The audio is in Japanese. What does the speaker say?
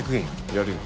やるよ。